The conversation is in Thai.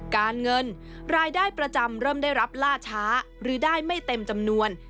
การเงินรายได้ประจำเริ่มได้รับล่าช้าหรือได้ไม่เต็มจำนวน